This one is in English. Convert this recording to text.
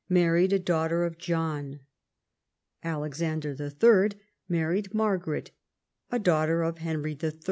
married a daughter of John. Alexander III. married Margaret, a daughter of Henry III.